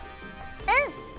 うん！